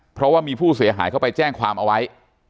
เพราะว่ามีผู้เสียหายเข้าไปแจ้งความเอาไว้